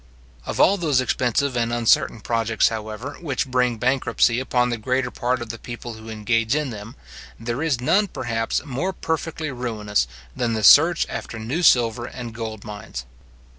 Of all those expensive and uncertain projects, however, which bring bankruptcy upon the greater part of the people who engage in them, there is none, perhaps, more perfectly ruinous than the search after new silver and gold mines.